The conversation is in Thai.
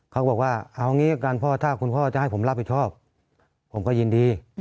เขาบอกว่าเอางี้ละกันพ่อถ้าคุณพ่อจะให้ผมรับผิดชอบผมก็ยินดี